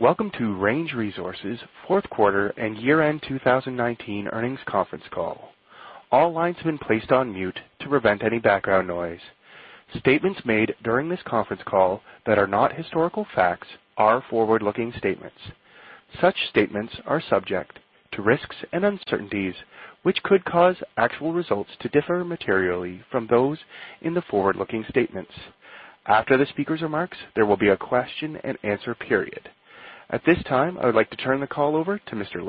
Welcome to Range Resources' fourth quarter and year-end 2019 earnings conference call. All lines have been placed on mute to prevent any background noise. Statements made during this conference call that are not historical facts are forward-looking statements. Such statements are subject to risks and uncertainties which could cause actual results to differ materially from those in the forward-looking statements. After the speaker's remarks, there will be a question and answer period. At this time, I would like to turn the call over to Mr.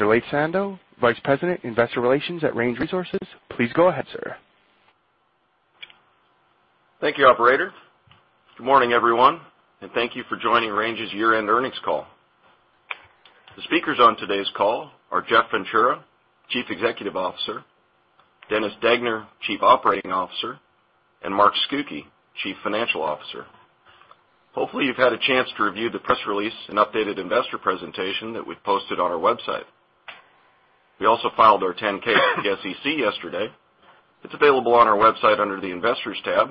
Laith Sando, Vice President, Investor Relations at Range Resources. Please go ahead, sir. Thank you, operator. Good morning, everyone, and thank you for joining Range's year-end earnings call. The speakers on today's call are Jeff Ventura, Chief Executive Officer, Dennis Degner, Chief Operating Officer, and Mark Scucchi, Chief Financial Officer. Hopefully, you've had a chance to review the press release and updated investor presentation that we've posted on our website. We also filed our 10-K with the SEC yesterday. It's available on our website under the Investors tab,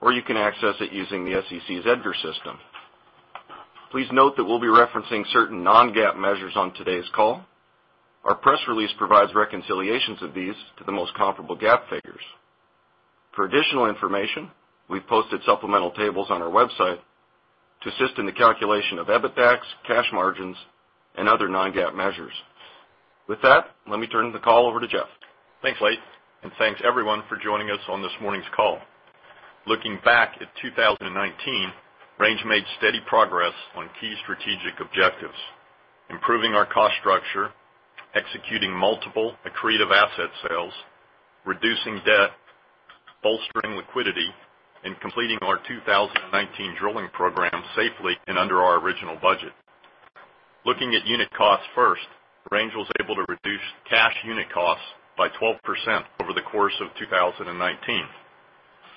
or you can access it using the SEC's EDGAR system. Please note that we'll be referencing certain non-GAAP measures on today's call. Our press release provides reconciliations of these to the most comparable GAAP figures. For additional information, we've posted supplemental tables on our website to assist in the calculation of EBITDAX, cash margins, and other non-GAAP measures. With that, let me turn the call over to Jeff. Thanks, Laith, and thanks everyone for joining us on this morning's call. Looking back at 2019, Range made steady progress on key strategic objectives, improving our cost structure, executing multiple accretive asset sales, reducing debt, bolstering liquidity, and completing our 2019 drilling program safely and under our original budget. Looking at unit costs first, Range was able to reduce cash unit costs by 12% over the course of 2019.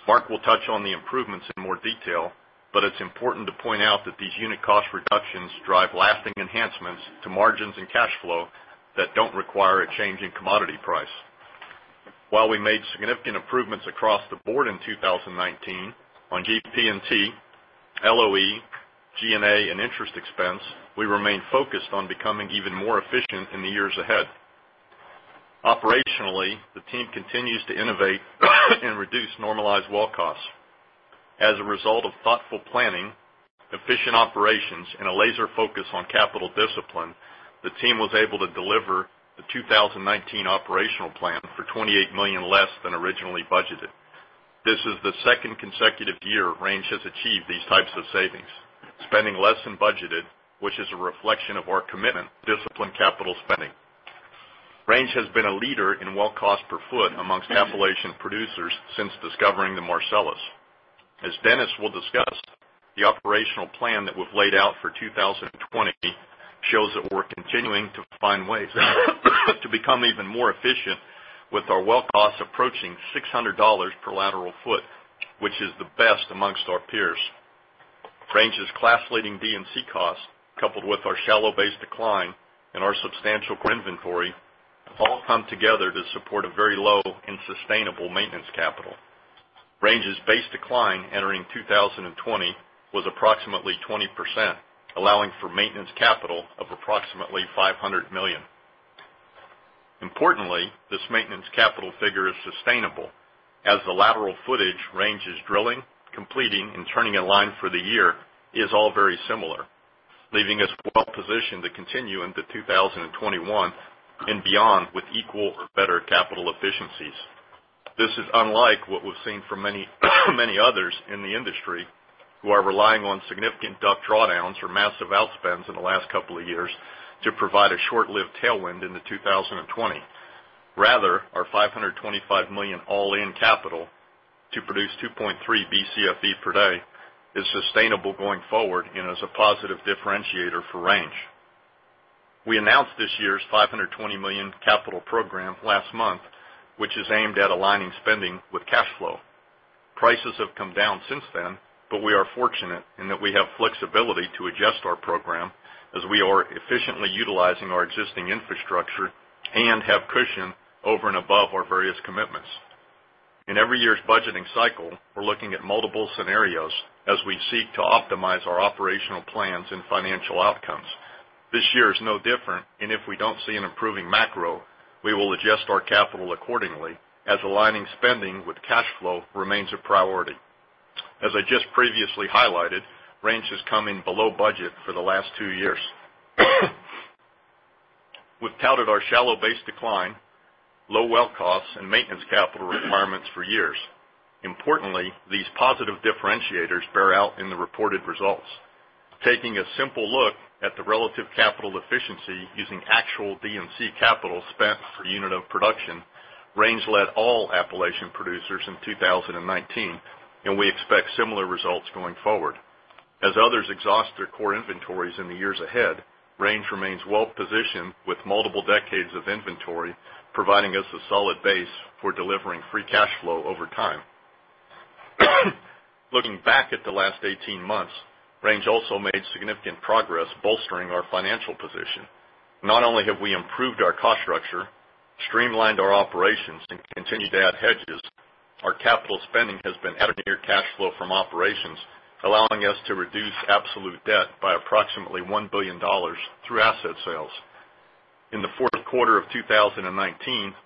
Mark will touch on the improvements in more detail, but it's important to point out that these unit cost reductions drive lasting enhancements to margins and cash flow that don't require a change in commodity price. While we made significant improvements across the board in 2019 on GP&T, LOE, G&A, and interest expense, we remain focused on becoming even more efficient in the years ahead. Operationally, the team continues to innovate and reduce normalized well costs. As a result of thoughtful planning, efficient operations, and a laser focus on capital discipline, the team was able to deliver the 2019 operational plan for $28 million less than originally budgeted. This is the second consecutive year Range has achieved these types of savings, spending less than budgeted, which is a reflection of our commitment to disciplined capital spending. Range has been a leader in well cost per foot amongst Appalachian producers since discovering the Marcellus. As Dennis will discuss, the operational plan that we've laid out for 2020 shows that we're continuing to find ways to become even more efficient with our well costs approaching $600 per lateral foot, which is the best amongst our peers. Range's class-leading D&C costs, coupled with our shallow base decline and our substantial inventory, all come together to support a very low and sustainable maintenance capital. Range's base decline entering 2020 was approximately 20%, allowing for maintenance capital of approximately $500 million. Importantly, this maintenance capital figure is sustainable as the lateral footage Range is drilling, completing, and turning in line for the year is all very similar, leaving us well-positioned to continue into 2021 and beyond with equal or better capital efficiencies. This is unlike what we've seen from many others in the industry who are relying on significant DUC drawdowns or massive outspends in the last couple of years to provide a short-lived tailwind into 2020. Rather, our $525 million all-in capital to produce 2.3 Bcfe per day is sustainable going forward and is a positive differentiator for Range. We announced this year's $520 million capital program last month, which is aimed at aligning spending with cash flow. Prices have come down since then, but we are fortunate in that we have flexibility to adjust our program as we are efficiently utilizing our existing infrastructure and have cushion over and above our various commitments. In every year's budgeting cycle, we're looking at multiple scenarios as we seek to optimize our operational plans and financial outcomes. This year is no different, and if we don't see an improving macro, we will adjust our capital accordingly, as aligning spending with cash flow remains a priority. As I just previously highlighted, Range is coming below budget for the last two years. We've touted our shallow base decline, low well costs, and maintenance capital requirements for years. Importantly, these positive differentiators bear out in the reported results. Taking a simple look at the relative capital efficiency using actual D&C capital spent per unit of production, Range led all Appalachian producers in 2019. We expect similar results going forward. As others exhaust their core inventories in the years ahead, Range remains well-positioned with multiple decades of inventory, providing us a solid base for delivering free cash flow over time. Looking back at the last 18 months, Range also made significant progress bolstering our financial position. Not only have we improved our cost structure, streamlined our operations, and continued to add hedges, our capital spending has been at or near cash flow from operations, allowing us to reduce absolute debt by approximately $1 billion through asset sales. In the fourth quarter of 2019,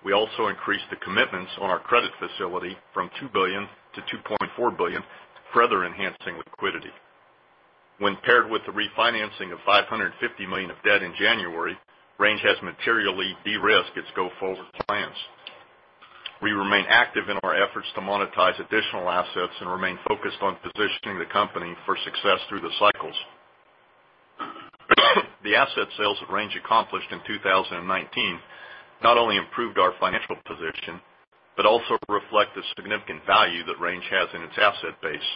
we also increased the commitments on our credit facility from $2 billion to $2.4 billion, further enhancing liquidity. When paired with the refinancing of $550 million of debt in January, Range has materially de-risked its go-forward plans. We remain active in our efforts to monetize additional assets and remain focused on positioning the company for success through the cycles. The asset sales that Range accomplished in 2019 not only improved our financial position, but also reflect the significant value that Range has in its asset base,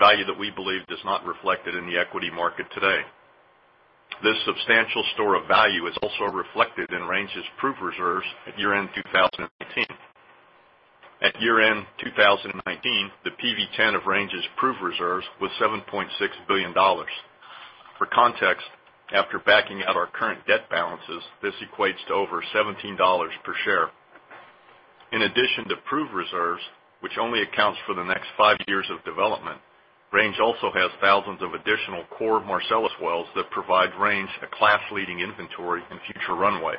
value that we believe is not reflected in the equity market today. This substantial store of value is also reflected in Range's proved reserves at year-end 2019. At year-end 2019, the PV-10 of Range's proved reserves was $7.6 billion. For context, after backing out our current debt balances, this equates to over $17 per share. In addition to proved reserves, which only accounts for the next five years of development, Range also has thousands of additional core Marcellus wells that provide Range a class-leading inventory and future runway.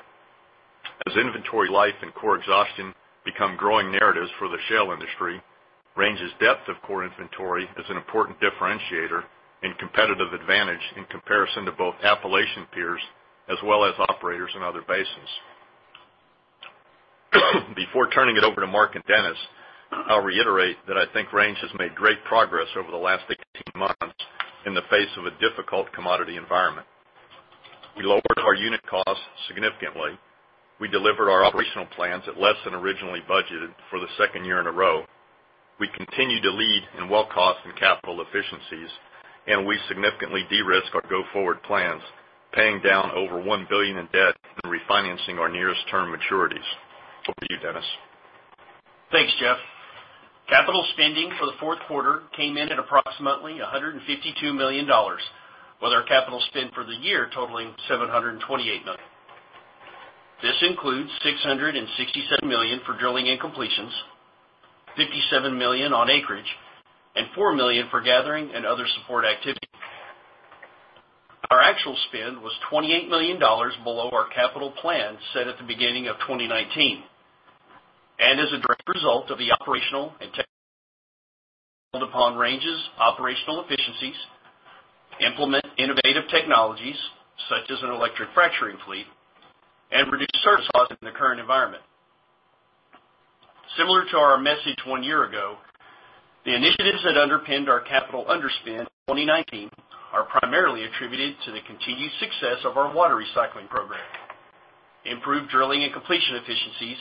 As inventory life and core exhaustion become growing narratives for the shale industry, Range's depth of core inventory is an important differentiator and competitive advantage in comparison to both Appalachian peers, as well as operators in other basins. Before turning it over to Mark and Dennis, I'll reiterate that I think Range has made great progress over the last 18 months in the face of a difficult commodity environment. We lowered our unit costs significantly. We delivered our operational plans at less than originally budgeted for the second year in a row. We continue to lead in well cost and capital efficiencies. We significantly de-risk our go-forward plans, paying down over $1 billion in debt and refinancing our nearest term maturities. Over to you, Dennis. Thanks, Jeff. Capital spending for the fourth quarter came in at approximately $152 million, with our capital spend for the year totaling $728 million. This includes $667 million for drilling and completions, $57 million on acreage, and $4 million for gathering and other support activities. Our actual spend was $28 million below our capital plan set at the beginning of 2019. As a direct result of the operational and tech built upon Range's operational efficiencies, implement innovative technologies such as an electric fracturing fleet, and reduce service costs in the current environment. Similar to our message one year ago, the initiatives that underpinned our capital underspend in 2019 are primarily attributed to the continued success of our water recycling program, improved drilling and completion efficiencies,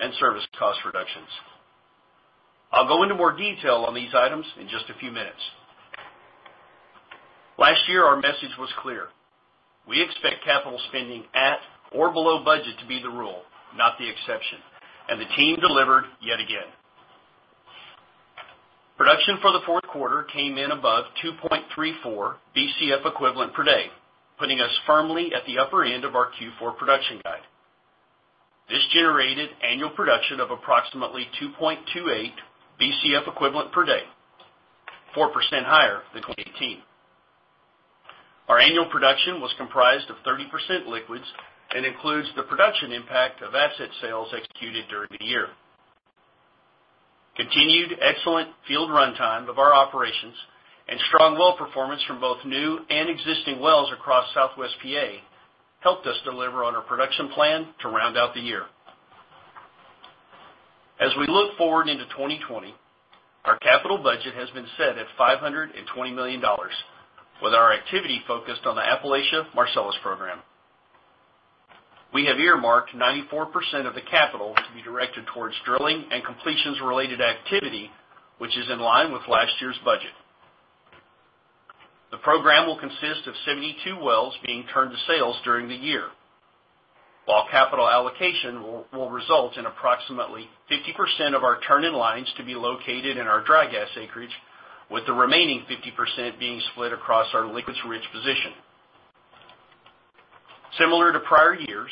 and service cost reductions. I'll go into more detail on these items in just a few minutes. Last year, our message was clear. We expect capital spending at or below budget to be the rule, not the exception, and the team delivered yet again. Production for the fourth quarter came in above 2.34 Bcfe per day, putting us firmly at the upper end of our Q4 production guide. This generated annual production of approximately 2.28 Bcfe per day, 4% higher than 2018. Our annual production was comprised of 30% liquids and includes the production impact of asset sales executed during the year. Continued excellent field runtime of our operations and strong well performance from both new and existing wells across Southwest PA helped us deliver on our production plan to round out the year. As we look forward into 2020, our capital budget has been set at $520 million, with our activity focused on the Appalachia Marcellus program. We have earmarked 94% of the capital to be directed towards drilling and completions-related activity, which is in line with last year's budget. The program will consist of 72 wells being turned to sales during the year, while capital allocation will result in approximately 50% of our turn-in-lines to be located in our dry gas acreage, with the remaining 50% being split across our liquids-rich position. Similar to prior years,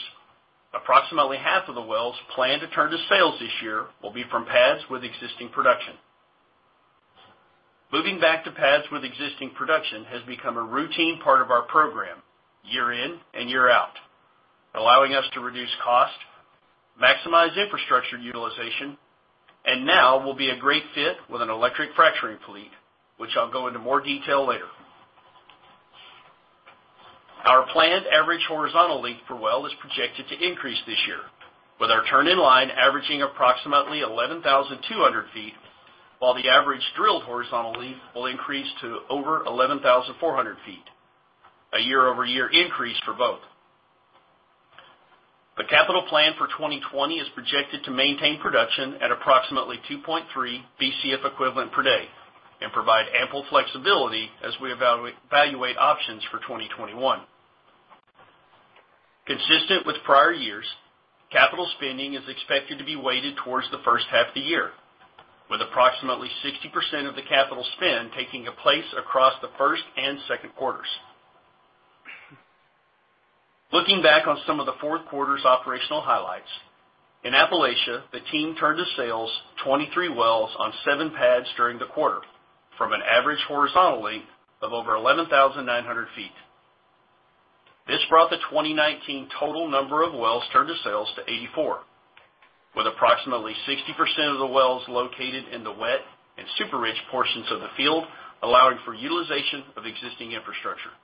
approximately half of the wells planned to turn to sales this year will be from pads with existing production. Moving back to pads with existing production has become a routine part of our program year in and year out, allowing us to reduce cost, maximize infrastructure utilization, and now will be a great fit with an electric fracturing fleet, which I'll go into more detail later. Our planned average horizontal length per well is projected to increase this year, with our turn in line averaging approximately 11,200 feet, while the average drilled horizontal length will increase to over 11,400 feet, a year-over-year increase for both. The capital plan for 2020 is projected to maintain production at approximately 2.3 Bcf equivalent per day and provide ample flexibility as we evaluate options for 2021. Consistent with prior years, capital spending is expected to be weighted towards the first half of the year, with approximately 60% of the capital spend taking place across the first and second quarters. Looking back on some of the fourth quarter's operational highlights, in Appalachia, the team turned to sales 23 wells on seven pads during the quarter from an average horizontal length of over 11,900 feet. This brought the 2019 total number of wells turned to sales to 84, with approximately 60% of the wells located in the wet and super-rich portions of the field, allowing for utilization of existing infrastructure.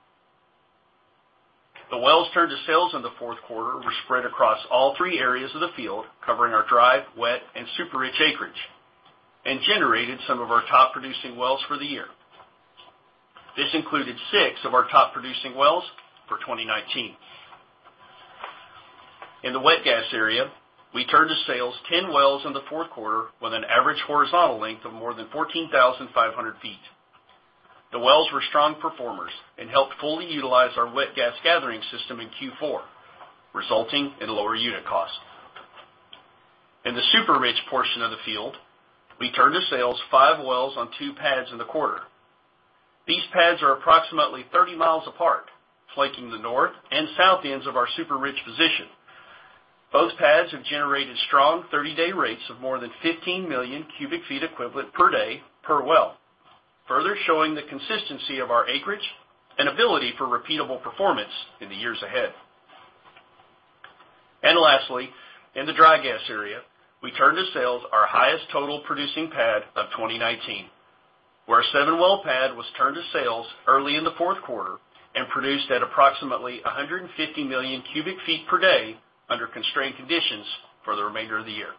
The wells turned to sales in the fourth quarter were spread across all three areas of the field, covering our dry, wet, and super-rich acreage, and generated some of our top-producing wells for the year. This included six of our top-producing wells for 2019. In the wet gas area, we turned to sales 10 wells in the fourth quarter with an average horizontal length of more than 14,500 feet. The wells were strong performers and helped fully utilize our wet gas gathering system in Q4, resulting in lower unit costs. In the super-rich portion of the field, we turned to sales five wells on two pads in the quarter. These pads are approximately 30 miles apart, flanking the north and south ends of our super-rich position. Both pads have generated strong 30-day rates of more than 15 million cubic feet equivalent per day per well, further showing the consistency of our acreage and ability for repeatable performance in the years ahead. Lastly, in the dry gas area, we turned to sales our highest total producing pad of 2019, where our seven-well pad was turned to sales early in the fourth quarter and produced at approximately 150 million cubic feet per day under constrained conditions for the remainder of the year.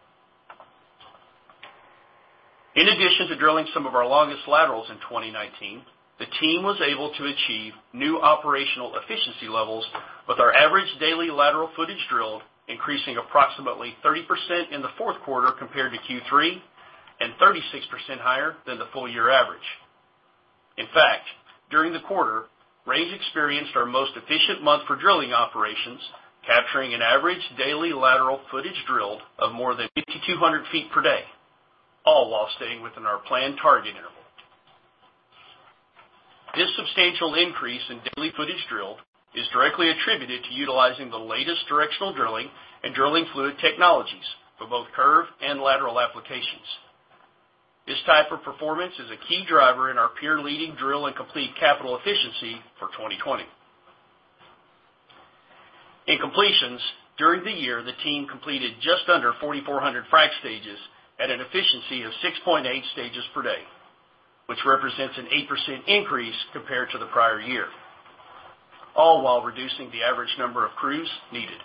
In addition to drilling some of our longest laterals in 2019, the team was able to achieve new operational efficiency levels with our average daily lateral footage drilled increasing approximately 30% in the fourth quarter compared to Q3 and 36% higher than the full-year average. In fact, during the quarter, Range experienced our most efficient month for drilling operations, capturing an average daily lateral footage drilled of more than 5,200 feet per day, all while staying within our planned target interval. This substantial increase in daily footage drilled is directly attributed to utilizing the latest directional drilling and drilling fluid technologies for both curve and lateral applications. This type of performance is a key driver in our peer-leading drill and complete capital efficiency for 2020. In completions, during the year, the team completed just under 4,400 frac stages at an efficiency of 6.8 stages per day, which represents an 8% increase compared to the prior year, all while reducing the average number of crews needed.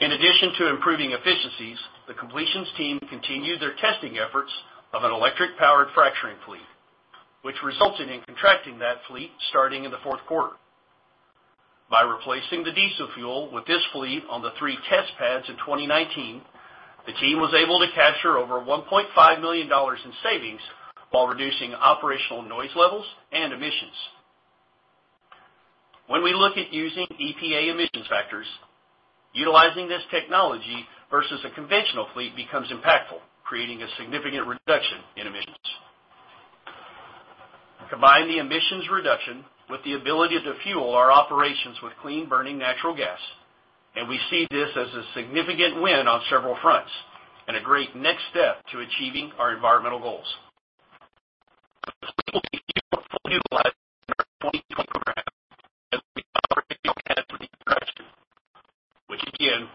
In addition to improving efficiencies, the completions team continued their testing efforts of an electric-powered fracturing fleet, which resulted in contracting that fleet starting in the fourth quarter. By replacing the diesel fuel with this fleet on the three test pads in 2019, the team was able to capture over $1.5 million in savings while reducing operational noise levels and emissions. When we look at using EPA emissions factors, utilizing this technology versus a conventional fleet becomes impactful, creating a significant reduction in emissions. Combine the emissions reduction with the ability to fuel our operations with clean-burning natural gas, we see this as a significant win on several fronts and a great next step to achieving our environmental goals. The fleet will be fully utilized in our 2020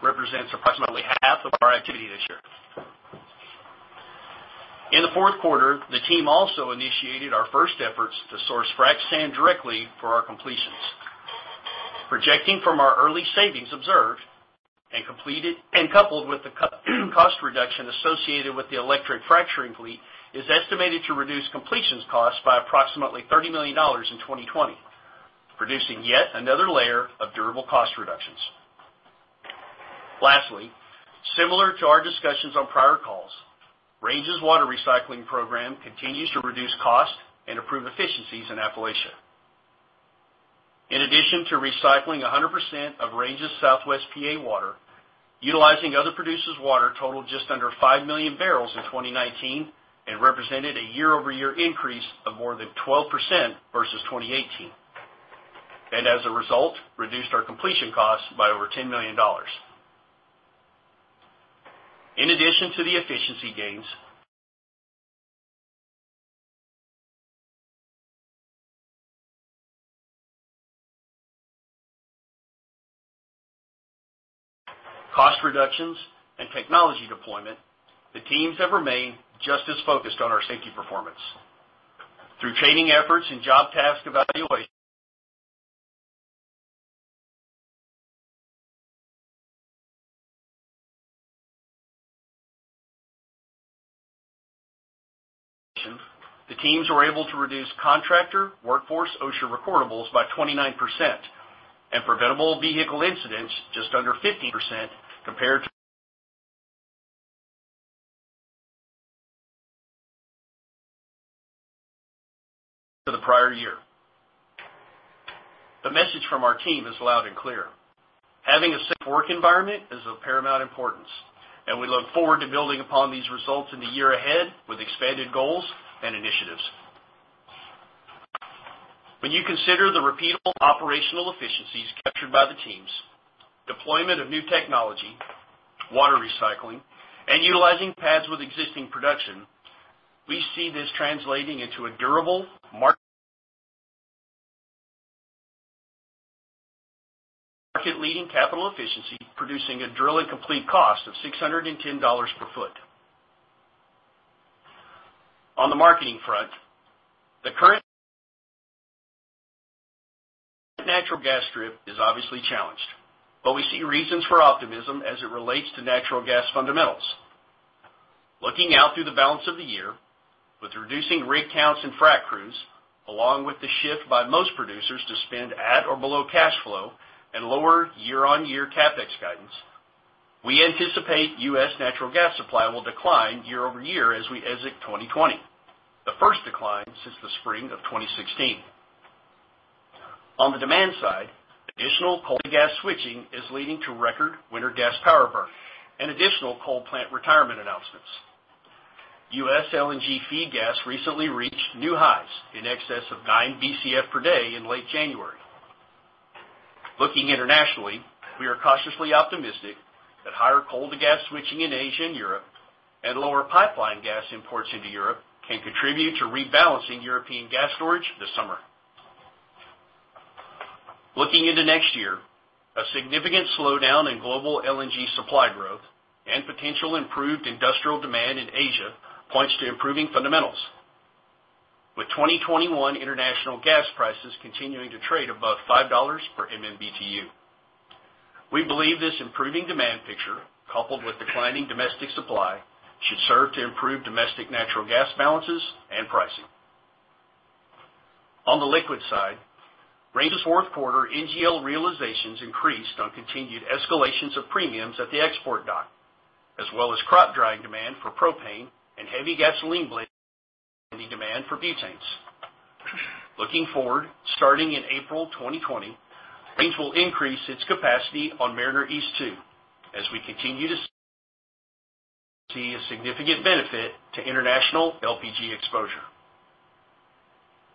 program as we operate the pads with the direction, which again represents approximately half of our activity this year. In the fourth quarter, the team also initiated our first efforts to source frac sand directly for our completions. Projecting from our early savings observed and coupled with the cost reduction associated with the electric fracturing fleet is estimated to reduce completions costs by approximately $30 million in 2020, producing yet another layer of durable cost reductions. Lastly, similar to our discussions on prior calls, Range's water recycling program continues to reduce costs and improve efficiencies in Appalachia. In addition to recycling 100% of Range's Southwest PA water, utilizing other producers' water totaled just under 5 million barrels in 2019 and represented a year-over-year increase of more than 12% versus 2018. As a result, reduced our completion costs by over $10 million. In addition to the efficiency gains, cost reductions and technology deployment, the teams have remained just as focused on our safety performance. Through training efforts and job task evaluation, the teams were able to reduce contractor workforce OSHA recordables by 29%, and preventable vehicle incidents just under 15% compared to the prior year. The message from our team is loud and clear. Having a safe work environment is of paramount importance, and we look forward to building upon these results in the year ahead with expanded goals and initiatives. When you consider the repeatable operational efficiencies captured by the teams, deployment of new technology, water recycling, and utilizing pads with existing production, we see this translating into a durable market-leading capital efficiency, producing a drill and complete cost of $610 per foot. On the marketing front, the current natural gas strip is obviously challenged, but we see reasons for optimism as it relates to natural gas fundamentals. Looking out through the balance of the year with reducing rig counts and frac crews, along with the shift by most producers to spend at or below cash flow and lower year-on-year CapEx guidance, we anticipate U.S. natural gas supply will decline year-over-year as we exit 2020. The first decline since the spring of 2016. On the demand side, additional coal to gas switching is leading to record winter gas power burn and additional coal plant retirement announcements. U.S. LNG feed gas recently reached new highs in excess of 9 Bcf per day in late January. Looking internationally, we are cautiously optimistic that higher coal to gas switching in Asia and Europe and lower pipeline gas imports into Europe can contribute to rebalancing European gas storage this summer. Looking into next year, a significant slowdown in global LNG supply growth and potential improved industrial demand in Asia points to improving fundamentals. With 2021 international gas prices continuing to trade above $5 per MMBtu. We believe this improving demand picture, coupled with declining domestic supply, should serve to improve domestic natural gas balances and pricing. On the liquid side, Range's fourth quarter NGL realizations increased on continued escalations of premiums at the export dock, as well as crop drying demand for propane and heavy gasoline blending demand for butanes. Looking forward, starting in April 2020, Range will increase its capacity on Mariner East 2 as we continue to see a significant benefit to international LPG exposure.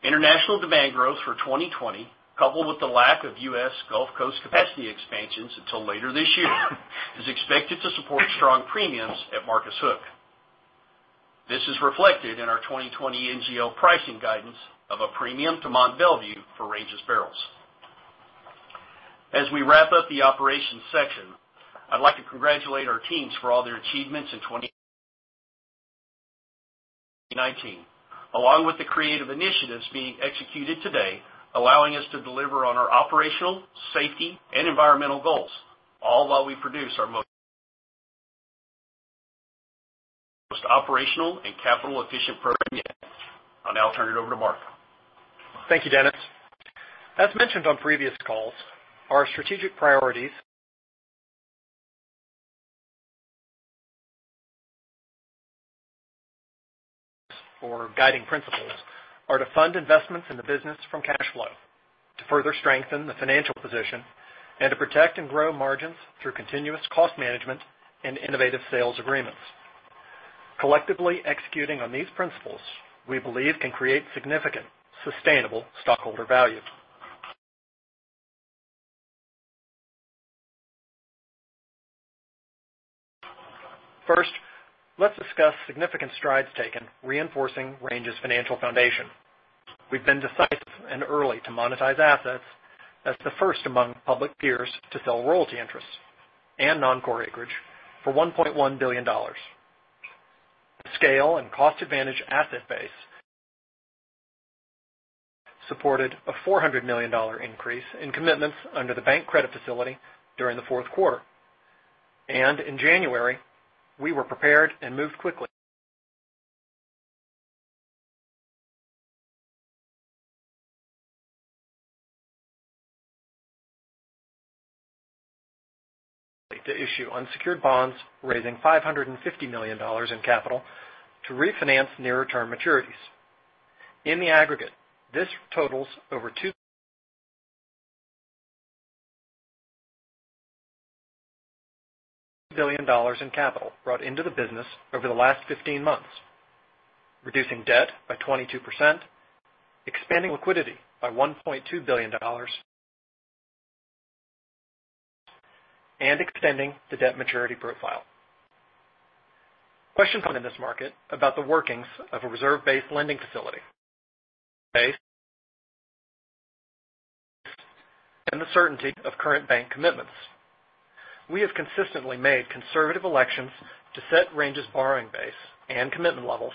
International demand growth for 2020, coupled with the lack of U.S. Gulf Coast capacity expansions until later this year, is expected to support strong premiums at Marcus Hook. This is reflected in our 2020 NGL pricing guidance of a premium to Mont Belvieu for Range's barrels. As we wrap up the operations section, I'd like to congratulate our teams for all their achievements in 2019, along with the creative initiatives being executed today, allowing us to deliver on our operational, safety, and environmental goals, all while we produce our most operational and capital-efficient program yet. I'll now turn it over to Mark. Thank you, Dennis. As mentioned on previous calls, our strategic priorities or guiding principles are to fund investments in the business from cash flow to further strengthen the financial position and to protect and grow margins through continuous cost management and innovative sales agreements. Collectively executing on these principles, we believe can create significant, sustainable stockholder value. First, let's discuss significant strides taken reinforcing Range's financial foundation. We've been decisive and early to monetize assets as the first among public peers to sell royalty interests and non-core acreage for $1.1 billion. The scale and cost advantage asset base supported a $400 million increase in commitments under the bank credit facility during the fourth quarter. In January, we were prepared and moved quickly to issue unsecured bonds, raising $550 million in capital to refinance near-term maturities. In the aggregate, this totals over $2 billion in capital brought into the business over the last 15 months, reducing debt by 22%, expanding liquidity by $1.2 billion, and extending the debt maturity profile. Questions come in this market about the workings of a reserve-based lending facility and the certainty of current bank commitments. We have consistently made conservative elections to set Range's borrowing base and commitment levels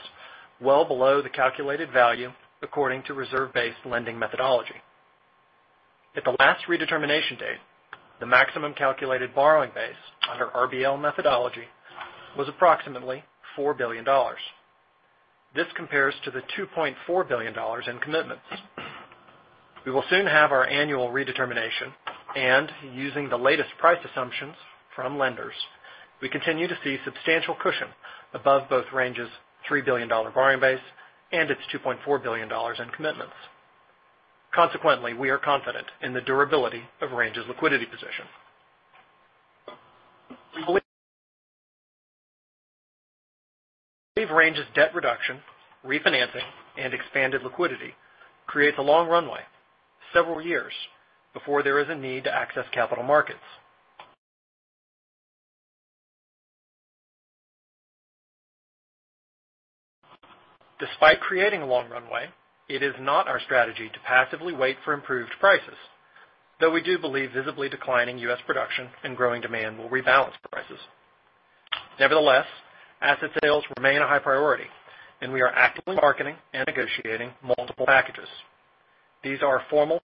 well below the calculated value according to reserve-based lending methodology. At the last redetermination date, the maximum calculated borrowing base under RBL methodology was approximately $4 billion. This compares to the $2.4 billion in commitments. We will soon have our annual redetermination, and using the latest price assumptions from lenders, we continue to see substantial cushion above both Range's $3 billion borrowing base and its $2.4 billion in commitments. We are confident in the durability of Range's liquidity position. We believe Range's debt reduction, refinancing, and expanded liquidity creates a long runway several years before there is a need to access capital markets. Despite creating a long runway, it is not our strategy to passively wait for improved prices, though we do believe visibly declining U.S. production and growing demand will rebalance prices. Nevertheless, asset sales remain a high priority, and we are actively marketing and negotiating multiple packages. These are formal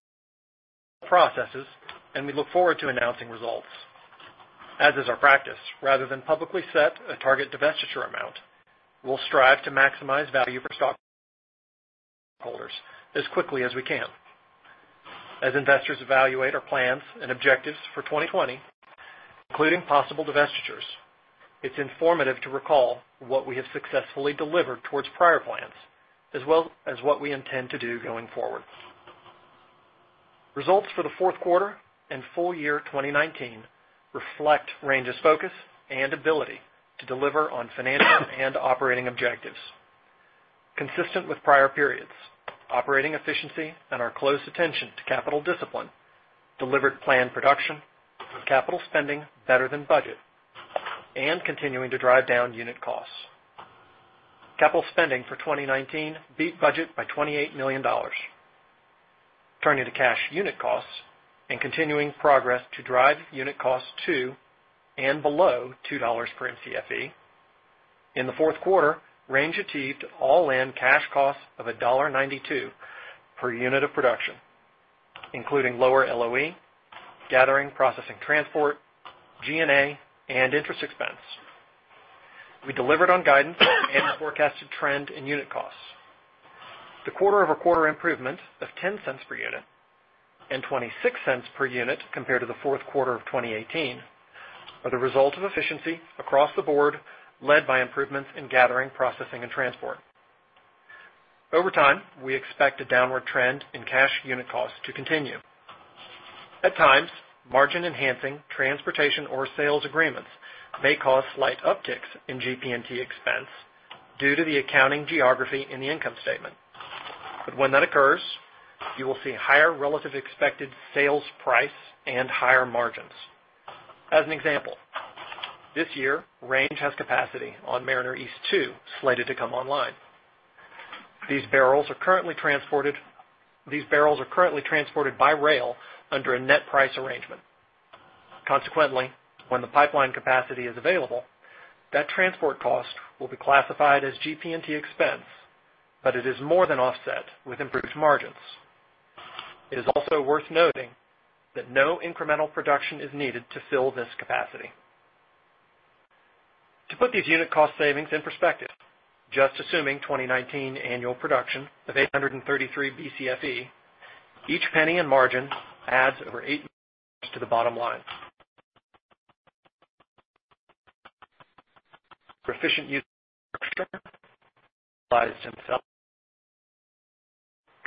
processes, and we look forward to announcing results. As is our practice, rather than publicly set a target divestiture amount, we'll strive to maximize value for stockholders as quickly as we can. As investors evaluate our plans and objectives for 2020, including possible divestitures, it's informative to recall what we have successfully delivered towards prior plans, as well as what we intend to do going forward. Results for the fourth quarter and full year 2019 reflect Range's focus and ability to deliver on financial and operating objectives. Consistent with prior periods, operating efficiency and our close attention to capital discipline delivered planned production with capital spending better than budget and continuing to drive down unit costs. Capital spending for 2019 beat budget by $28 million. Turning to cash unit costs and continuing progress to drive unit costs to and below $2 per Mcfe. In the fourth quarter, Range achieved all-in cash costs of $1.92 per unit of production, including lower LOE, gathering, processing, transport, G&A, and interest expense. We delivered on guidance and the forecasted trend in unit costs. The quarter-over-quarter improvement of $0.10 per unit and $0.26 per unit compared to the fourth quarter of 2018 are the result of efficiency across the board, led by improvements in gathering, processing, and transport. Over time, we expect a downward trend in cash unit costs to continue. At times, margin-enhancing transportation or sales agreements may cause slight upticks in GP&T expense due to the accounting geography in the income statement. When that occurs, you will see higher relative expected sales price and higher margins. As an example, this year, Range has capacity on Mariner East 2 slated to come online. These barrels are currently transported by rail under a net price arrangement. Consequently, when the pipeline capacity is available, that transport cost will be classified as GP&T expense, but it is more than offset with improved margins. It is also worth noting that no incremental production is needed to fill this capacity. To put these unit cost savings in perspective, just assuming 2019 annual production of 833 Bcfe, each penny in margin adds over $8 million to the bottom line. Efficient use of infrastructure applies to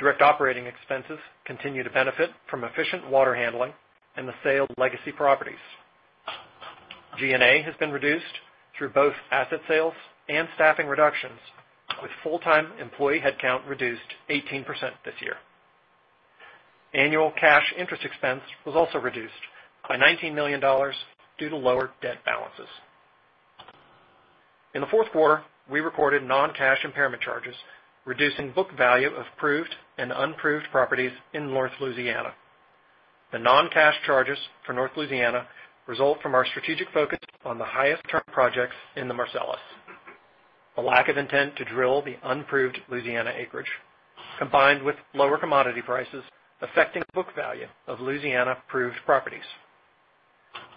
itself. Direct operating expenses continue to benefit from efficient water handling and the sale of legacy properties. G&A has been reduced through both asset sales and staffing reductions, with full-time employee headcount reduced 18% this year. Annual cash interest expense was also reduced by $19 million due to lower debt balances. In the fourth quarter, we recorded non-cash impairment charges, reducing book value of proved and unproved properties in North Louisiana. The non-cash charges for North Louisiana result from our strategic focus on the highest return projects in the Marcellus. A lack of intent to drill the unproved Louisiana acreage, combined with lower commodity prices affecting book value of Louisiana proved properties.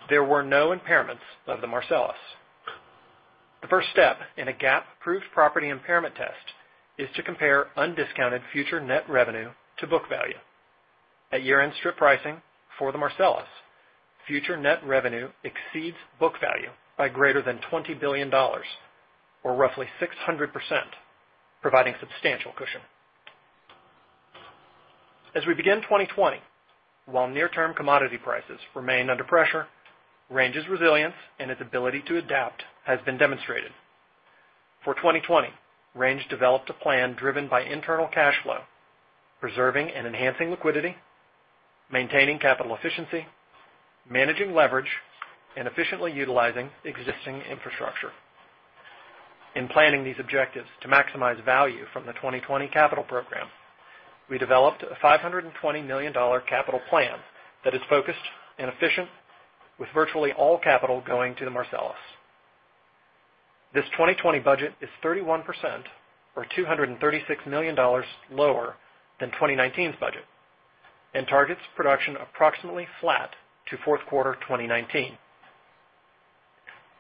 There were no impairments of the Marcellus. The first step in a GAAP proved property impairment test is to compare undiscounted future net revenue to book value. At year-end strip pricing for the Marcellus, future net revenue exceeds book value by greater than $20 billion, or roughly 600%, providing substantial cushion. As we begin 2020, while near-term commodity prices remain under pressure, Range's resilience and its ability to adapt has been demonstrated. For 2020, Range developed a plan driven by internal cash flow, preserving and enhancing liquidity, maintaining capital efficiency, managing leverage, and efficiently utilizing existing infrastructure. In planning these objectives to maximize value from the 2020 capital program, we developed a $520 million capital plan that is focused and efficient, with virtually all capital going to the Marcellus. This 2020 budget is 31%, or $236 million lower than 2019's budget, and targets production approximately flat to fourth quarter 2019.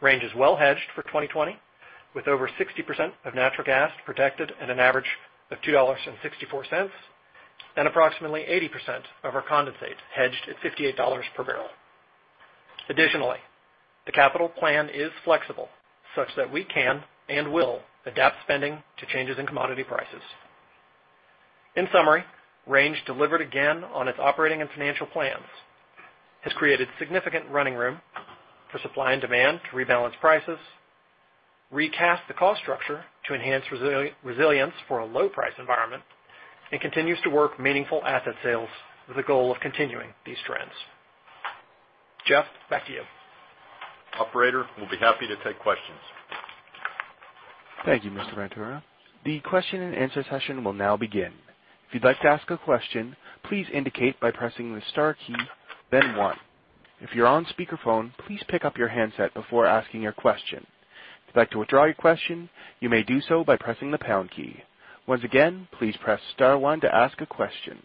Range is well hedged for 2020, with over 60% of natural gas protected at an average of $2.64, and approximately 80% of our condensate hedged at $58 per barrel. Additionally, the capital plan is flexible, such that we can and will adapt spending to changes in commodity prices. In summary, Range delivered again on its operating and financial plans, has created significant running room for supply and demand to rebalance prices, recast the cost structure to enhance resilience for a low-price environment, and continues to work meaningful asset sales with the goal of continuing these trends. Jeff, back to you. Operator, we'll be happy to take questions. Thank you, Mr. Ventura. The question and answer session will now begin. If you'd like to ask a question, please indicate by pressing the star key, then one. If you're on speakerphone, please pick up your handset before asking your question. If you'd like to withdraw your question, you may do so by pressing the pound key. Once again, please press star one to ask a question.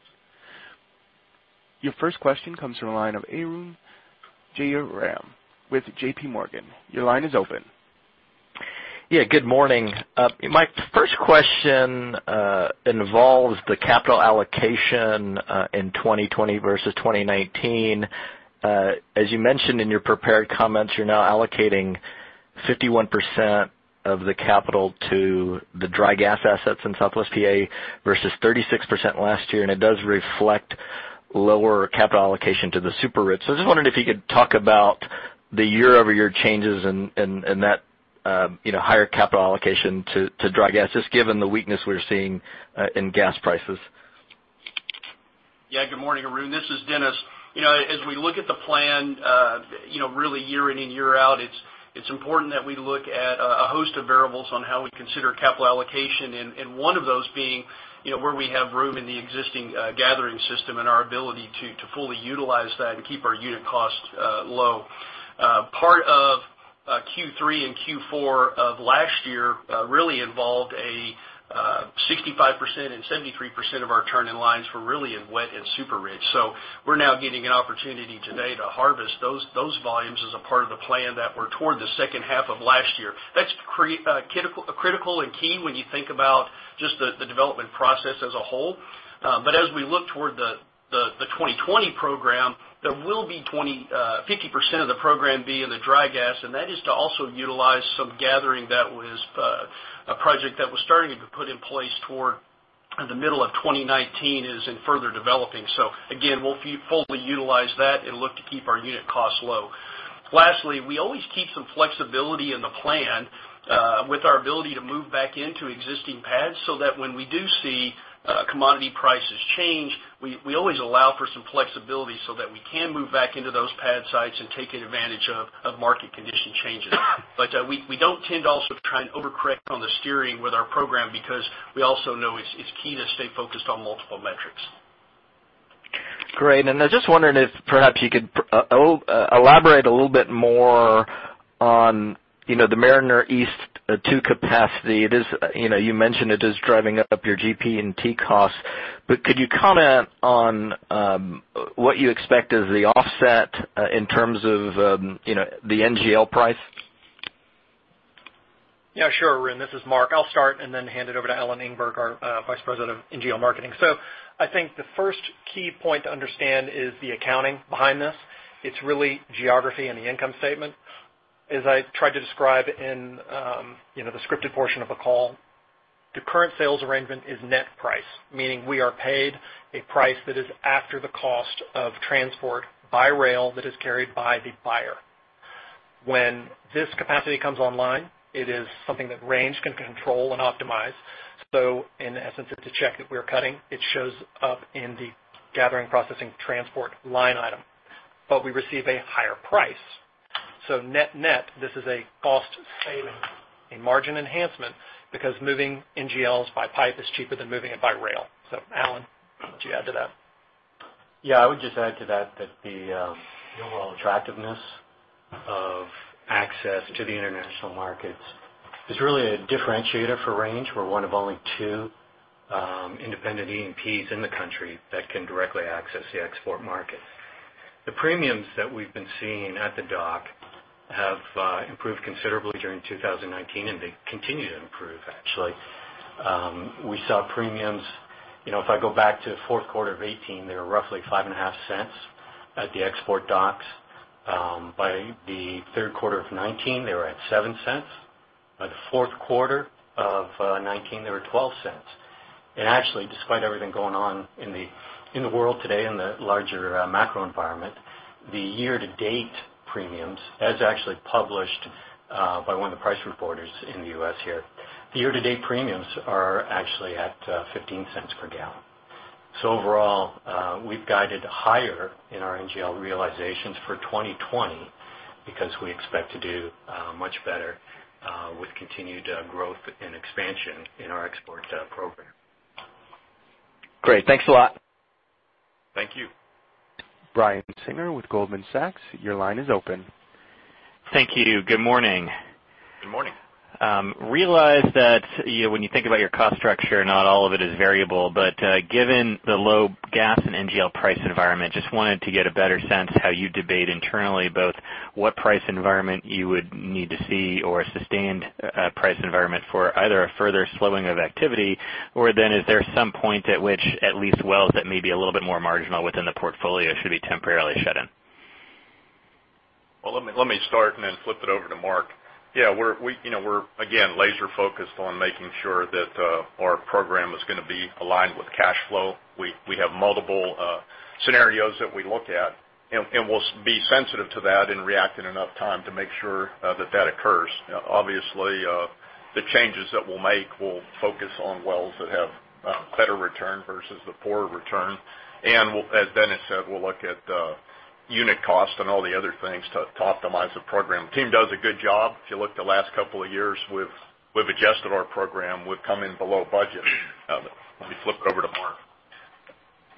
Your first question comes from the line of Arun Jayaram with JPMorgan. Your line is open. Yeah. Good morning. My first question involves the capital allocation in 2020 versus 2019. As you mentioned in your prepared comments, you're now allocating 51% of the capital to the dry gas assets in Southwest PA versus 36% last year. It does reflect lower capital allocation to the super rich. I was just wondering if you could talk about the year-over-year changes in that higher capital allocation to dry gas, just given the weakness we're seeing in gas prices. Good morning, Arun. This is Dennis. As we look at the plan really year in and year out, it's important that we look at a host of variables on how we consider capital allocation, and one of those being where we have room in the existing gathering system and our ability to fully utilize that and keep our unit cost low. Part of Q3 and Q4 of last year really involved a 65% and 73% of our turn-in-lines were really in wet and super rich. We're now getting an opportunity today to harvest those volumes as a part of the plan that were toward the second half of last year. That's critical and key when you think about just the development process as a whole. As we look toward the 2020 program, there will be 50% of the program be in the dry gas, and that is to also utilize some gathering that was a project that was starting to be put in place toward the middle of 2019 and is in further developing. Again, we'll fully utilize that and look to keep our unit costs low. Lastly, we always keep some flexibility in the plan with our ability to move back into existing pads, so that when we do see commodity prices change, we always allow for some flexibility so that we can move back into those pad sites and take advantage of market condition changes. We don't tend to also try and overcorrect on the steering with our program because we also know it's key to stay focused on multiple metrics. Great. I was just wondering if perhaps you could elaborate a little bit more on the Mariner East 2 capacity. You mentioned it is driving up your GP&T costs, could you comment on what you expect as the offset in terms of the NGL price? Sure, Arun. This is Mark. I'll start and then hand it over to Alan Engberg, our Vice President of NGL Marketing. I think the first key point to understand is the accounting behind this. It's really geography and the income statement. As I tried to describe in the scripted portion of the call, the current sales arrangement is net price, meaning we are paid a price that is after the cost of transport by rail that is carried by the buyer. When this capacity comes online, it is something that Range can control and optimize. In essence, it's a check that we're cutting. It shows up in the gathering processing transport line item. We receive a higher price. Net-net, this is a cost saving, a margin enhancement, because moving NGLs by pipe is cheaper than moving it by rail. Alan, why don't you add to that? Yeah. I would just add to that the overall attractiveness of access to the international markets is really a differentiator for Range. We're one of only two independent E&Ps in the U.S. that can directly access the export market. The premiums that we've been seeing at the dock have improved considerably during 2019, and they continue to improve, actually. We saw premiums If I go back to the fourth quarter of 2018, they were roughly $0.055 at the export docks. By the third quarter of 2019, they were at $0.07. By the fourth quarter of 2019, they were $0.12. Actually, despite everything going on in the world today in the larger macro environment, the year-to-date premiums as actually published by one of the price reporters in the U.S. here, the year-to-date premiums are actually at $0.15 per gallon. Overall, we've guided higher in our NGL realizations for 2020 because we expect to do much better with continued growth and expansion in our export program. Great. Thanks a lot. Thank you. Brian Singer with Goldman Sachs, your line is open. Thank you. Good morning. Good morning. Realized that when you think about your cost structure, not all of it is variable. Given the low gas and NGL price environment, just wanted to get a better sense how you debate internally both what price environment you would need to see or sustain a price environment for either a further slowing of activity, or is there some point at which at least wells that may be a little bit more marginal within the portfolio should be temporarily shut in? Well, let me start and then flip it over to Mark. Yeah, we're again, laser focused on making sure that our program is going to be aligned with cash flow. We have multiple scenarios that we look at, and we'll be sensitive to that and react in enough time to make sure that that occurs. Obviously, the changes that we'll make will focus on wells that have better return versus the poorer return. As Dennis said, we'll look at unit cost and all the other things to optimize the program. Team does a good job. If you look the last couple of years, we've adjusted our program. We've come in below budget. Let me flip it over to Mark.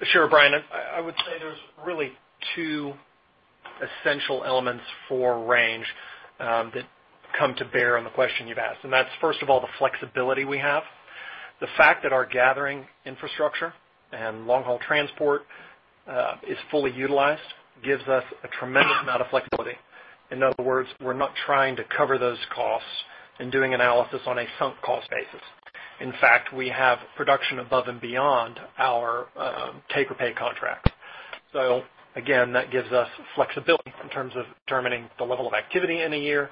Sure, Brian. I would say there's really two essential elements for Range that come to bear on the question you've asked. First of all, the flexibility we have. The fact that our gathering infrastructure and long-haul transport is fully utilized gives us a tremendous amount of flexibility. In other words, we're not trying to cover those costs and doing analysis on a sunk cost basis. In fact, we have production above and beyond our take or pay contract. Again, that gives us flexibility in terms of determining the level of activity in a year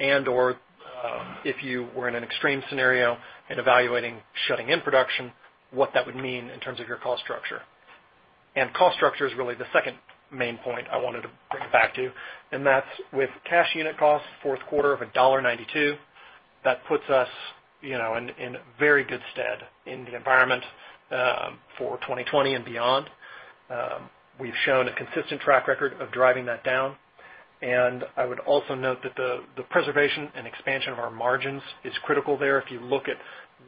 and/or if you were in an extreme scenario and evaluating shutting in production, what that would mean in terms of your cost structure. Cost structure is really the second main point I wanted to bring back to you, and that's with cash unit cost fourth quarter of $1.92. That puts us in very good stead in the environment for 2020 and beyond. We've shown a consistent track record of driving that down. I would also note that the preservation and expansion of our margins is critical there. If you look at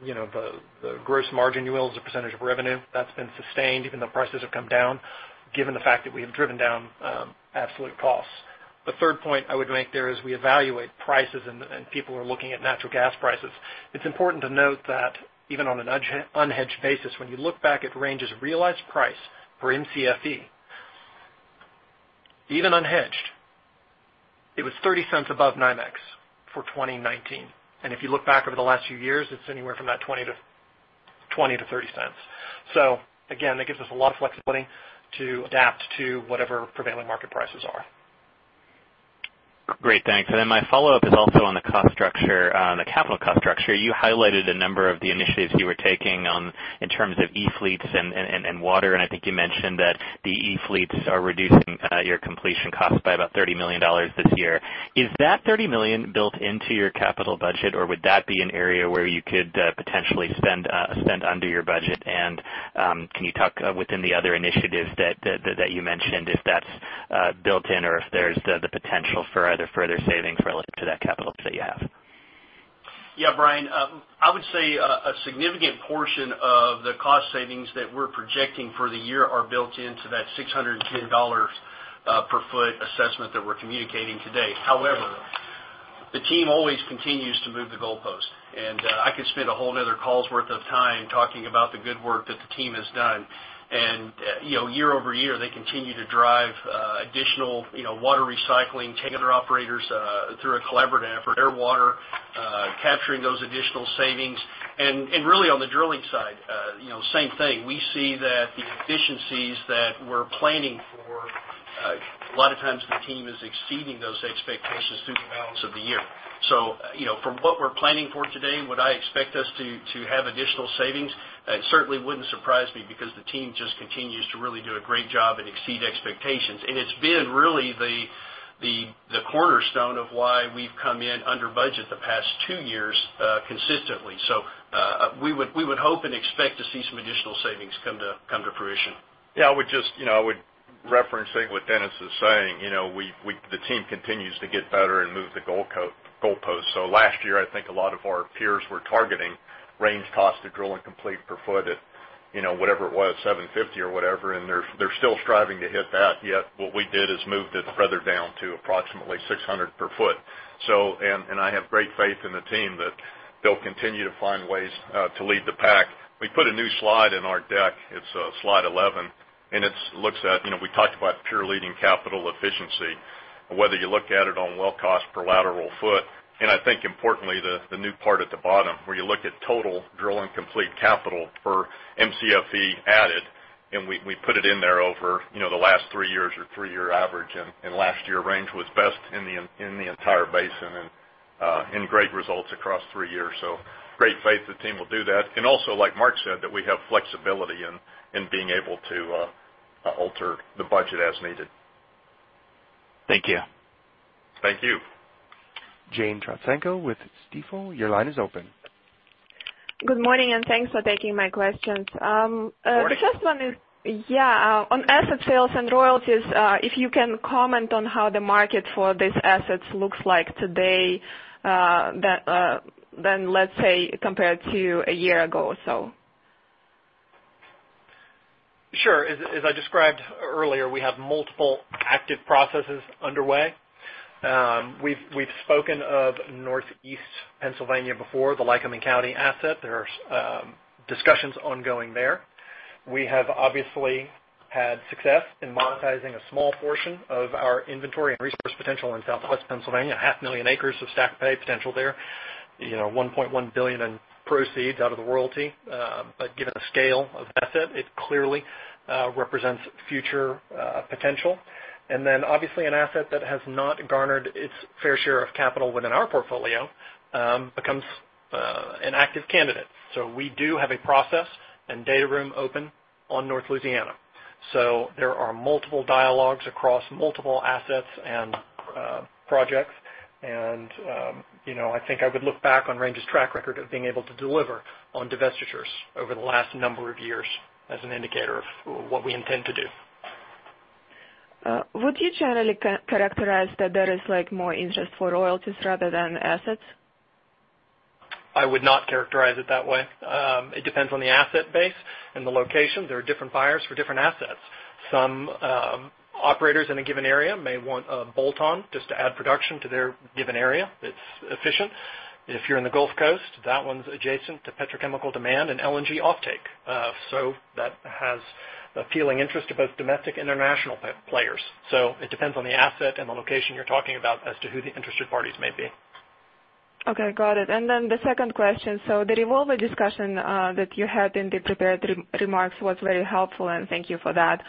the gross margin yields a percentage of revenue, that's been sustained even though prices have come down, given the fact that we have driven down absolute costs. The third point I would make there is we evaluate prices, people are looking at natural gas prices. It's important to note that even on an unhedged basis, when you look back at Range's realized price for Mcfe, even unhedged, it was $0.30 above NYMEX for 2019. If you look back over the last few years, it's anywhere from that $0.20 to $0.30. Again, that gives us a lot of flexibility to adapt to whatever prevailing market prices are. Great. Thanks. My follow-up is also on the cost structure, the capital cost structure. You highlighted a number of the initiatives you were taking on in terms of E-fleets and water, and I think you mentioned that the E-fleets are reducing your completion cost by about $30 million this year. Is that 30 million built into your capital budget or would that be an area where you could potentially spend under your budget? Can you talk within the other initiatives that you mentioned, if that's built in or if there's the potential for either further savings relative to that capital that you have? Yeah, Brian. I would say a significant portion of the cost savings that we're projecting for the year are built into that $610 per foot assessment that we're communicating today. However, the team always continues to move the goalpost. I could spend a whole another call's worth of time talking about the good work that the team has done. Year-over-year, they continue to drive additional water recycling, taking other operators through a collaborative effort, air water, capturing those additional savings. Really on the drilling side, same thing. We see that the efficiencies that we're planning for, a lot of times the team is exceeding those expectations through the balance of the year. From what we're planning for today, would I expect us to have additional savings? It certainly wouldn't surprise me because the team just continues to really do a great job and exceed expectations. It's been really the cornerstone of why we've come in under budget the past two years consistently. We would hope and expect to see some additional savings come to fruition. I would reference what Dennis is saying. The team continues to get better and move the goalpost. Last year, I think a lot of our peers were targeting Range cost to drill and complete per foot at whatever it was, $750 or whatever, and they're still striving to hit that, yet what we did is moved it further down to approximately $600 per foot. I have great faith in the team that they'll continue to find ways to lead the pack. We put a new slide in our deck. It's slide 11, and it looks at, we talked about pure leading capital efficiency, whether you look at it on well cost per lateral foot, and I think importantly, the new part at the bottom where you look at total drill and complete capital per Mcfe added, and we put it in there over the last three years or three-year average, and last year, Range was best in the entire basin and great results across three years. Great faith the team will do that. Also, like Mark said, that we have flexibility in being able to alter the budget as needed. Thank you. Thank you. Jane Trotsenko with Stifel, your line is open. Good morning. Thanks for taking my questions. Good morning. The first one is on asset sales and royalties. If you can comment on how the market for these assets looks like today then, let's say, compared to a year ago or so. Sure. As I described earlier, we have multiple active processes underway. We've spoken of Northeast Pennsylvania before, the Lycoming County asset. There are discussions ongoing there. We have obviously had success in monetizing a small portion of our inventory and resource potential in Southwest Pennsylvania, half a million acres of stack pay potential there, $1.1 billion in proceeds out of the royalty. Given the scale of the asset, it clearly represents future potential. Obviously an asset that has not garnered its fair share of capital within our portfolio becomes an active candidate. We do have a process and data room open on North Louisiana. There are multiple dialogues across multiple assets and projects. I think I would look back on Range's track record of being able to deliver on divestitures over the last number of years as an indicator of what we intend to do. Would you generally characterize that there is more interest for royalties rather than assets? I would not characterize it that way. It depends on the asset base and the location. There are different buyers for different assets. Some operators in a given area may want a bolt-on just to add production to their given area. It's efficient. If you're in the Gulf Coast, that one's adjacent to petrochemical demand and LNG offtake. That has appealing interest to both domestic and international players. It depends on the asset and the location you're talking about as to who the interested parties may be. Okay, got it. The second question, the revolver discussion that you had in the prepared remarks was very helpful, and thank you for that.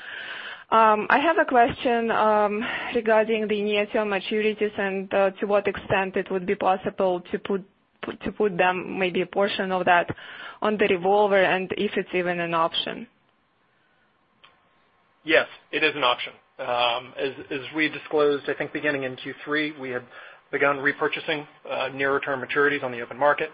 I have a question regarding the near-term maturities and to what extent it would be possible to put them, maybe a portion of that, on the revolver, and if it's even an option. Yes, it is an option. As we disclosed, I think beginning in Q3, we have begun repurchasing nearer term maturities on the open market,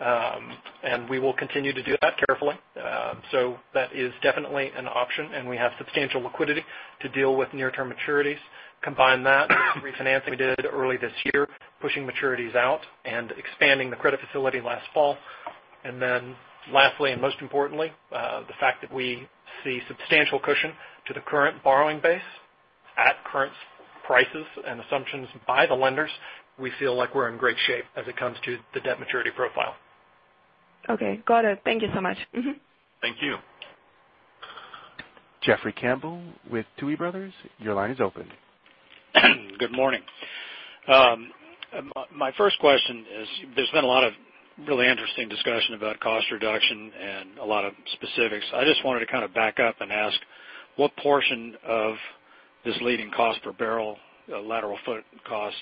and we will continue to do that carefully. That is definitely an option, and we have substantial liquidity to deal with near-term maturities. Combine that with the refinancing we did early this year, pushing maturities out and expanding the credit facility last fall. Lastly, and most importantly, the fact that we see substantial cushion to the current borrowing base at current prices and assumptions by the lenders, we feel like we're in great shape as it comes to the debt maturity profile. Okay, got it. Thank you so much. Thank you. Jeffrey Campbell with Tuohy Brothers, your line is open. Good morning. My first question is, there's been a lot of really interesting discussion about cost reduction and a lot of specifics. I just wanted to kind of back up and ask what portion of this leading cost per barrel lateral foot cost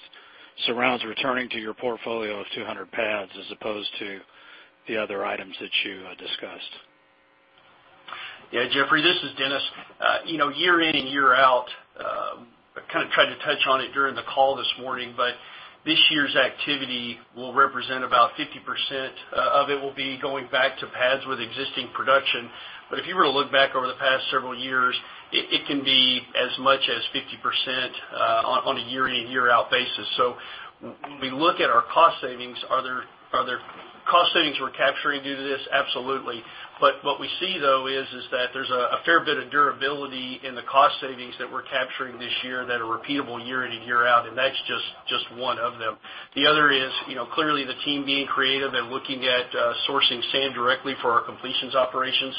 surrounds returning to your portfolio of 200 pads as opposed to the other items that you discussed? Yeah, Jeffrey, this is Dennis. Year in and year out, I kind of tried to touch on it during the call this morning, this year's activity will represent about 50% of it will be going back to pads with existing production. If you were to look back over the past several years, it can be as much as 50% on a year-in, year-out basis. When we look at our cost savings, are there cost savings we're capturing due to this? Absolutely. What we see, though, is that there's a fair bit of durability in the cost savings that we're capturing this year that are repeatable year in and year out, that's just one of them. The other is clearly the team being creative and looking at sourcing sand directly for our completions operations.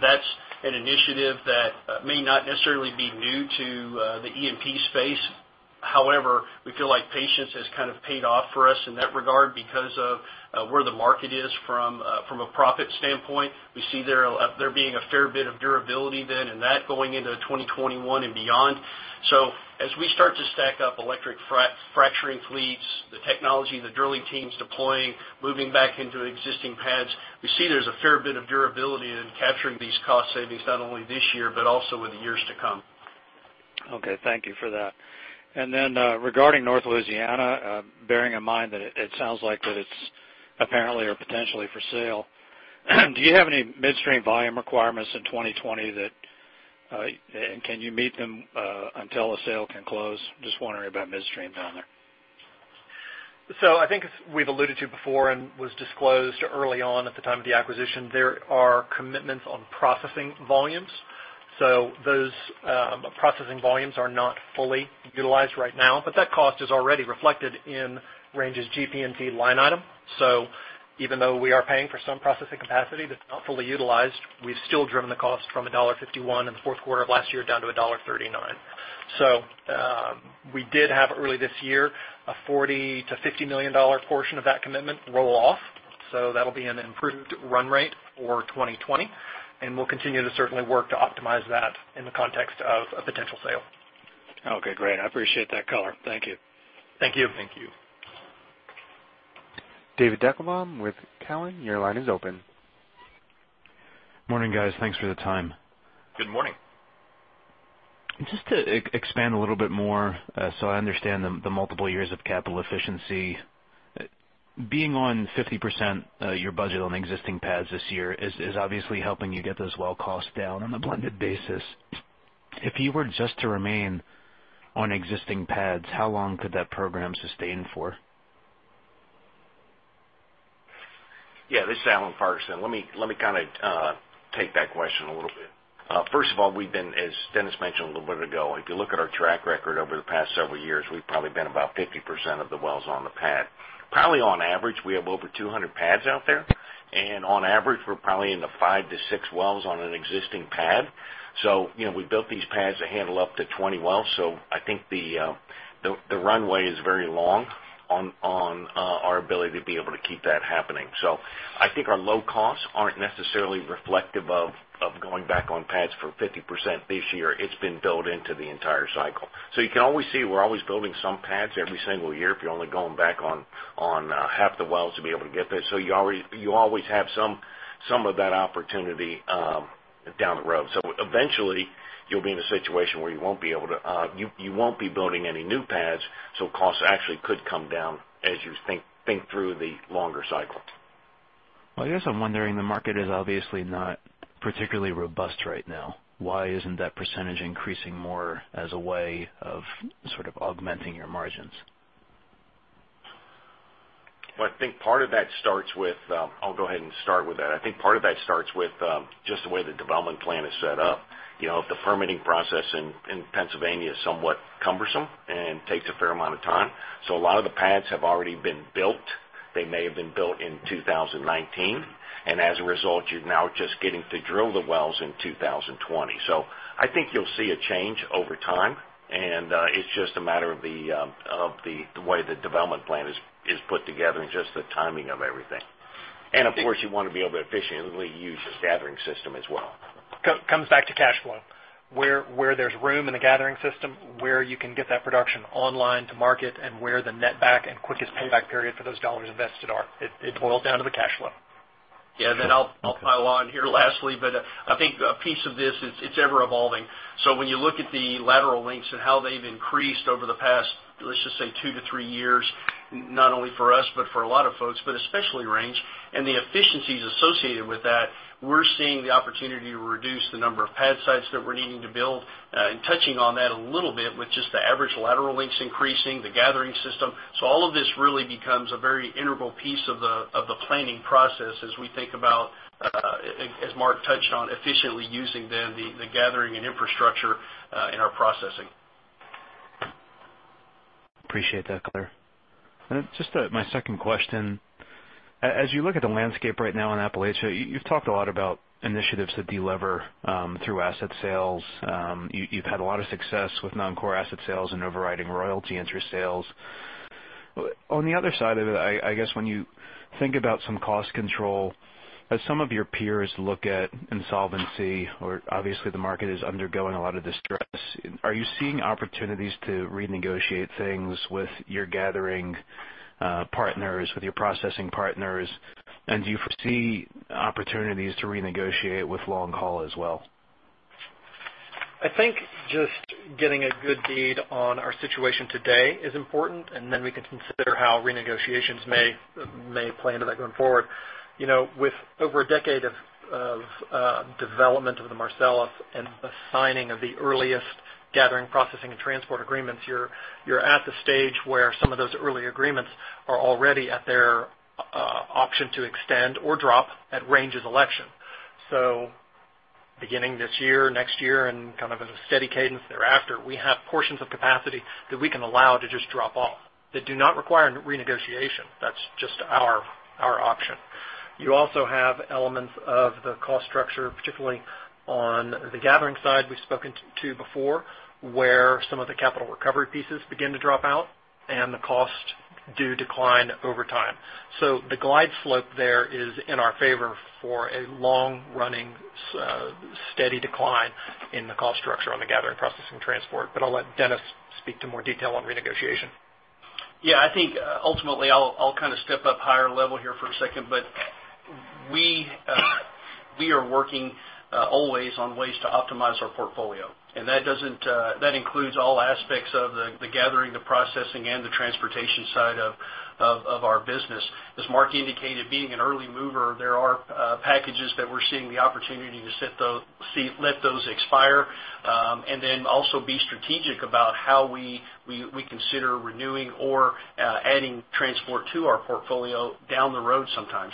That's an initiative that may not necessarily be new to the E&P space. However, we feel like patience has kind of paid off for us in that regard because of where the market is from a profit standpoint. We see there being a fair bit of durability then in that going into 2021 and beyond. As we start to stack up electric fracturing fleets, the technology, the drilling teams deploying, moving back into existing pads, we see there's a fair bit of durability in capturing these cost savings not only this year, but also in the years to come. Okay. Thank you for that. Regarding North Louisiana, bearing in mind that it sounds like that it's apparently or potentially for sale, do you have any midstream volume requirements in 2020? Can you meet them until a sale can close? Just wondering about midstream down there. I think as we've alluded to before and was disclosed early on at the time of the acquisition, there are commitments on processing volumes. Those processing volumes are not fully utilized right now, but that cost is already reflected in Range's GP&T line item. Even though we are paying for some processing capacity that's not fully utilized, we've still driven the cost from $1.51 in the fourth quarter of last year down to $1.39. We did have early this year a $40 million-$50 million portion of that commitment roll off. That'll be an improved run rate for 2020, and we'll continue to certainly work to optimize that in the context of a potential sale. Okay, great. I appreciate that color. Thank you. Thank you. Thank you. David Deckelbaum with Cowen, your line is open. Morning, guys. Thanks for the time. Good morning. Just to expand a little bit more, so I understand the multiple years of capital efficiency. Being on 50% your budget on existing pads this year is obviously helping you get those well costs down on a blended basis. If you were just to remain on existing pads, how long could that program sustain for? Yeah, this is Alan Farquharson. Let me take that question a little bit. First of all, we've been, as Dennis mentioned a little bit ago, if you look at our track record over the past several years, we've probably been about 50% of the wells on the pad. Probably on average, we have over 200 pads out there, and on average, we're probably in the five to six wells on an existing pad. We built these pads to handle up to 20 wells, so I think the runway is very long on our ability to be able to keep that happening. I think our low costs aren't necessarily reflective of going back on pads for 50% this year. It's been built into the entire cycle. You can always see, we're always building some pads every single year if you're only going back on half the wells to be able to get there. You always have some of that opportunity down the road. Eventually, you'll be in a situation where you won't be building any new pads, so costs actually could come down as you think through the longer cycle. Well, I guess I'm wondering, the market is obviously not particularly robust right now. Why isn't that percentage increasing more as a way of sort of augmenting your margins? Well, I think part of that starts with I'll go ahead and start with that. I think part of that starts with just the way the development plan is set up. The permitting process in Pennsylvania is somewhat cumbersome and takes a fair amount of time. A lot of the pads have already been built. They may have been built in 2019, and as a result, you're now just getting to drill the wells in 2020. I think you'll see a change over time, and it's just a matter of the way the development plan is put together and just the timing of everything. Of course, you want to be able to efficiently use the gathering system as well. Comes back to cash flow, where there's room in the gathering system, where you can get that production online to market, and where the net back and quickest payback period for those dollars invested are. It boils down to the cash flow. I'll pile on here lastly, but I think a piece of this, it's ever evolving. When you look at the lateral lengths and how they've increased over the past, let's just say two to three years, not only for us but for a lot of folks, but especially Range, and the efficiencies associated with that, we're seeing the opportunity to reduce the number of pad sites that we're needing to build. Touching on that a little bit with just the average lateral lengths increasing, the gathering system. All of this really becomes a very integral piece of the planning process as we think about, as Mark touched on, efficiently using the gathering and infrastructure in our processing. Appreciate that, clear. Just my second question. As you look at the landscape right now in Appalachia, you've talked a lot about initiatives to delever through asset sales. You've had a lot of success with non-core asset sales and overriding royalty interest sales. On the other side of it, I guess when you think about some cost control, as some of your peers look at insolvency or obviously the market is undergoing a lot of distress, are you seeing opportunities to renegotiate things with your gathering partners, with your processing partners, and do you foresee opportunities to renegotiate with long haul as well? I think just getting a good bead on our situation today is important, and then we can consider how renegotiations may play into that going forward. With over a decade of development of the Marcellus and the signing of the earliest gathering, processing, and transport agreements, you're at the stage where some of those early agreements are already at their option to extend or drop at Range's election. Beginning this year, next year, and in a steady cadence thereafter, we have portions of capacity that we can allow to just drop off that do not require renegotiation. That's just our option. You also have elements of the cost structure, particularly on the gathering side we've spoken to before, where some of the capital recovery pieces begin to drop out and the cost do decline over time. The glide slope there is in our favor for a long-running, steady decline in the cost structure on the gathering process and transport, but I'll let Dennis speak to more detail on renegotiation. Yeah, I think ultimately I'll step up higher level here for a second, but we are working always on ways to optimize our portfolio, and that includes all aspects of the gathering, the processing, and the transportation side of our business. As Mark indicated, being an early mover, there are packages that we're seeing the opportunity to let those expire, and then also be strategic about how we consider renewing or adding transport to our portfolio down the road sometime.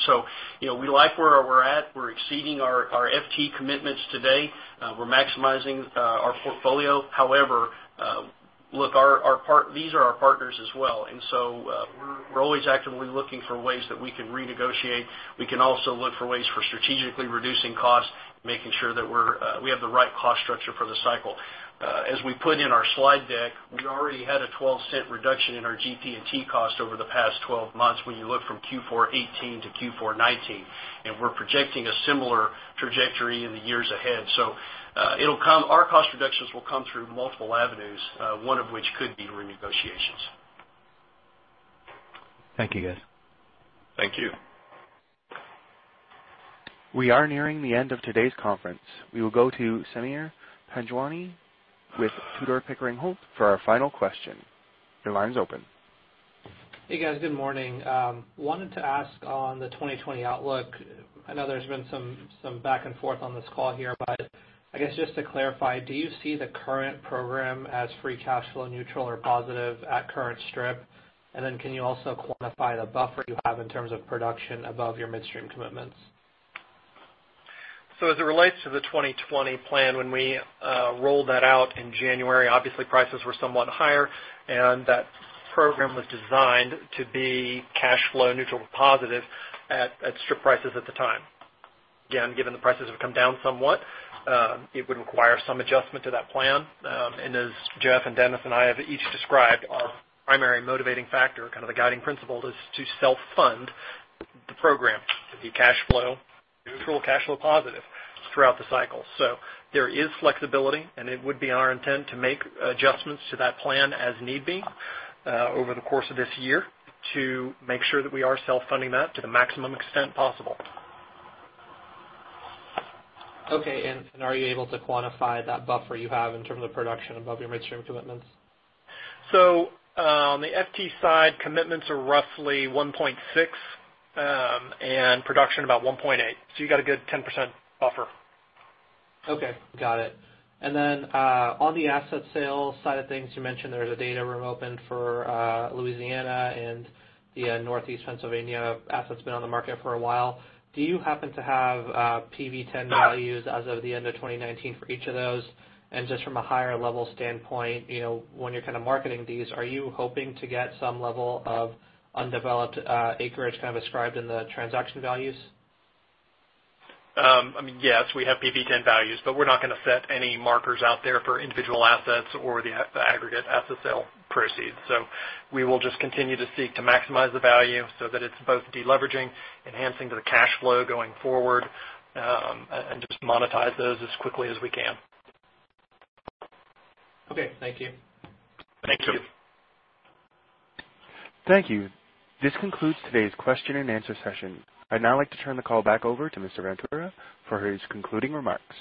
We like where we're at. We're exceeding our FT commitments today. We're maximizing our portfolio. However, look, these are our partners as well, and so we're always actively looking for ways that we can renegotiate. We can also look for ways for strategically reducing costs, making sure that we have the right cost structure for the cycle. As we put in our slide deck, we already had a $0.12 reduction in our GP&T cost over the past 12 months when you look from Q4 2018 to Q4 2019, and we're projecting a similar trajectory in the years ahead. Our cost reductions will come through multiple avenues, one of which could be renegotiations. Thank you, guys. Thank you. We are nearing the end of today's conference. We will go to Sameer Panjwani with Tudor, Pickering, Holt for our final question. Your line's open. Hey, guys. Good morning. Wanted to ask on the 2020 outlook. I know there's been some back and forth on this call here, but I guess just to clarify, do you see the current program as free cash flow neutral or positive at current strip? Can you also quantify the buffer you have in terms of production above your midstream commitments? As it relates to the 2020 plan, when we rolled that out in January, obviously prices were somewhat higher, and that program was designed to be cash flow neutral to positive at strip prices at the time. Again, given the prices have come down somewhat, it would require some adjustment to that plan. As Jeff and Dennis and I have each described, our primary motivating factor, kind of the guiding principle, is to self-fund the program to be cash flow neutral, cash flow positive throughout the cycle. There is flexibility, and it would be our intent to make adjustments to that plan as need be over the course of this year to make sure that we are self-funding that to the maximum extent possible. Okay. Are you able to quantify that buffer you have in terms of production above your midstream commitments? On the FT side, commitments are roughly 1.6, and production about 1.8. You got a good 10% buffer. Okay, got it. On the asset sales side of things, you mentioned there's a data room open for Louisiana and the Northeast Pennsylvania asset's been on the market for a while. Do you happen to have PV-10 values as of the end of 2019 for each of those? Just from a higher-level standpoint, when you're kind of marketing these, are you hoping to get some level of undeveloped acreage kind of ascribed in the transaction values? Yes, we have PV-10 values. We're not going to set any markers out there for individual assets or the aggregate asset sale proceeds. We will just continue to seek to maximize the value so that it's both de-leveraging, enhancing to the cash flow going forward, and just monetize those as quickly as we can. Okay. Thank you. Thank you. Thank you. This concludes today's question and answer session. I'd now like to turn the call back over to Mr. Ventura for his concluding remarks.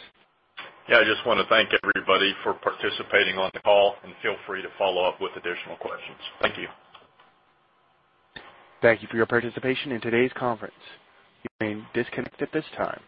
Yeah, I just want to thank everybody for participating on the call, and feel free to follow up with additional questions. Thank you. Thank you for your participation in today's conference. You may disconnect at this time.